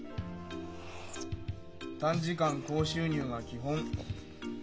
短時間高収入が基本。